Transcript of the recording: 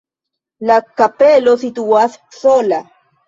La kapelo situas sola.